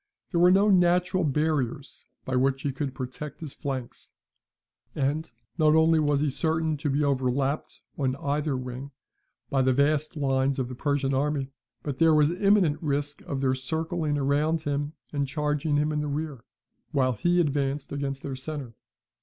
There were no natural barriers by which he could protect his flanks; and not only was he certain to be overlapped on either wing by the vast lines of the Persian army, but there was imminent risk of their circling round him and charging him in the rear, while he advanced against their centre.